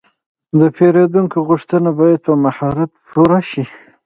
د پیرودونکي غوښتنه باید په مهارت پوره شي.